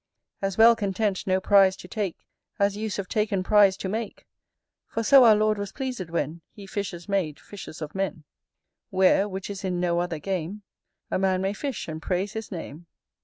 As well content no prize to take, As use of taken prize to make: For so our Lord was pleased, when He fishers made fishers of men; Where, which is in no other game, A man may fish and praise his name.